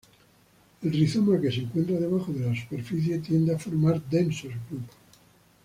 El rizoma que se encuentra debajo de la superficie tiende a formar densos grupos.